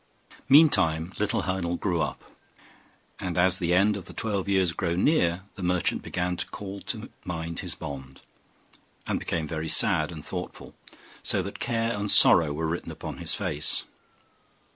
Meantime little Heinel grew up, and as the end of the twelve years drew near the merchant began to call to mind his bond, and became very sad and thoughtful; so that care and sorrow were written upon his face.